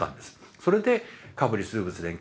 それでカブリ数物連携